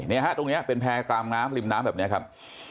ฮะตรงนี้เป็นแพร่ตามน้ำริมน้ำแบบนี้ครับ